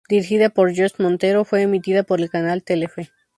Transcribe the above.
Dirigida por Jorge Montero, fue emitida por el canal Telefe.